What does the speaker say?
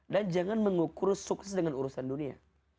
jangan mengukur sukses dengan urusan dunia